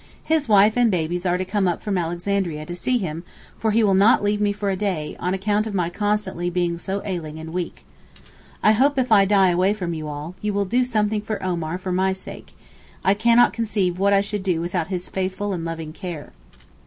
His wife and babies are to come up from Alexandria to see him, for he will not leave me for a day, on account of my constantly being so ailing and weak. I hope if I die away from you all, you will do something for Omar for my sake, I cannot conceive what I should do without his faithful and loving care.